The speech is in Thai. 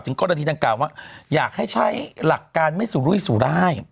กรณีดังกล่าวว่าอยากให้ใช้หลักการไม่สุรุยสุราย